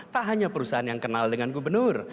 tak hanya perusahaan yang kenal dengan gubernur